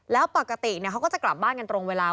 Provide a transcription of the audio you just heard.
แล้วปกติเขาก็จะกลับบ้านกันตรงเวลา